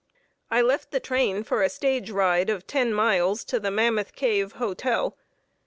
I left the train for a stage ride of ten miles to the Mammoth Cave Hotel.